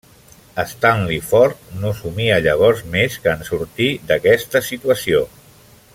Stanley Ford no somia llavors més que en sortir d'aquesta situació.